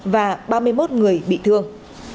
và ba mươi một người bị thương